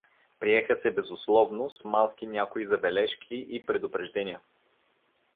Приеха се безусловно с малки някои забележки и предупреждения.